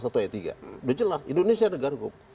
sudah jelas indonesia negara hukum